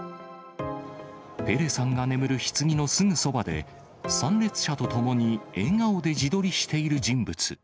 ペレさんが眠るひつぎのすぐそばで、参列者と共に笑顔で自撮りしている人物。